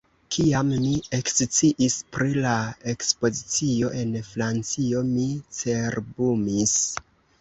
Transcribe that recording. Kiam mi eksciis pri la ekspozicio en Francio, mi cerbumis.